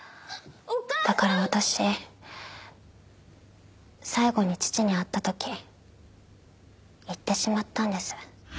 だから私最後に父に会った時言ってしまったんです。